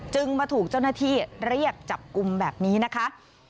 มาถูกเจ้าหน้าที่เรียกจับกลุ่มแบบนี้นะคะ